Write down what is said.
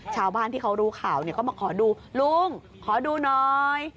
ชาวบ้านที่เขารู้ข่าวเนี่ยก็มาขอดูลุงขอดูหน่อย